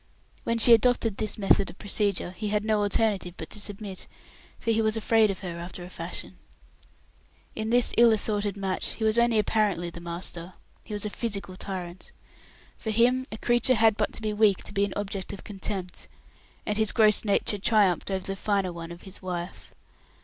When she adopted this method of procedure, he had no alternative but to submit, for he was afraid of her, after a fashion. In this ill assorted match he was only apparently the master. He was a physical tyrant. For him, a creature had but to be weak to be an object of contempt; and his gross nature triumphed over the finer one of his wife.